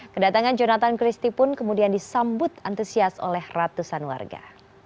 kedatangan jonathan christie pun kemudian disambut antusias oleh ratusan warga